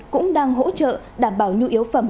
cũng đang hỗ trợ đảm bảo nhu yếu phẩm